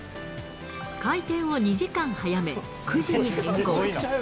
開店を２時間早め、９時に変更。